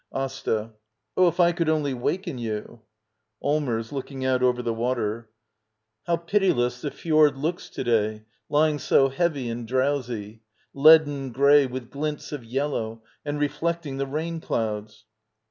Asta. Oh, if I could only waken you! Allmers. [Looking out over the water.] How pitiless the fjord looks to day, lying so heavy and drowsy! Leaden grey — with glints of yellow — and reflecting the rain clouds!